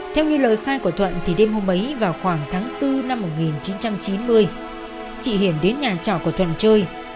theo như lời khai của thuận thì đêm hôm ấy vào khoảng tháng bốn năm một nghìn chín trăm chín mươi chị hiển đến nhà trọ của thuận chơi